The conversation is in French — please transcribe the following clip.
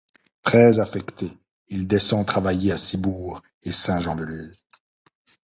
Très affecté, il descend travailler à Ciboure et Saint-Jean-de-Luz.